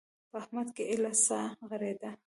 په احمد کې ايله سا غړېده.